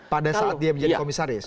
pada saat dia menjadi komisaris